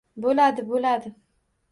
— Bo‘ladi, bo‘ladi.